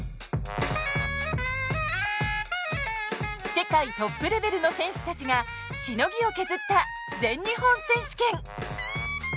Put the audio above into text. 世界トップレベルの選手たちがしのぎを削った全日本選手権！